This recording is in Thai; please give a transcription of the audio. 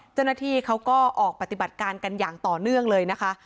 เจ้าหน้าที่เขาก็ออกปฏิบัติการกันอย่างต่อเนื่องเลยนะคะ